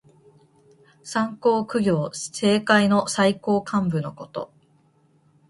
三公九卿。政界の最高幹部のこと。